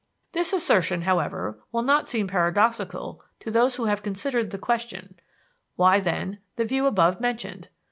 This assertion, however, will not seem paradoxical to those who have considered the question. Why, then, the view above mentioned?